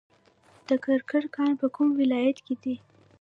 د کرکر کان په کوم ولایت کې دی؟